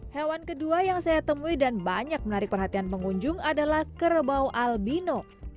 hewan kedua yang saya temui dan banyak menarik perhatian pengunjung adalah kerbau albino